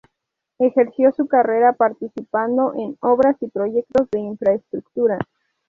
Ejerció su carrera participando en obras y proyectos de infraestructura.